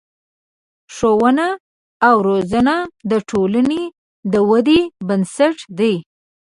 ښوونه او روزنه د ټولنې د ودې بنسټ دی.